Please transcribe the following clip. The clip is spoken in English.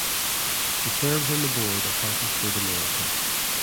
She serves on the board of Healthy Food America.